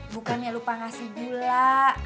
bukannya lupa ngasih gula